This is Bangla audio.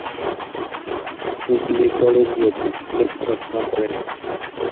হুগলী কলেজিয়েট স্কুলে পড়াশোনা করেন।